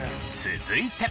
続いて。